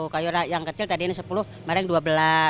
kayu yang kecil tadi ini rp sepuluh sekarang rp dua belas